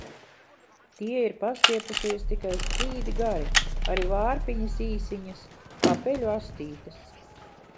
Tie ir pastiepušies tikai sprīdi gari, arī vārpiņas īsiņas, kā peļu astītes.